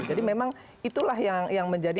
jadi memang itulah yang menjadi